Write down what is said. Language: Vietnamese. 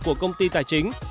của công ty tài chính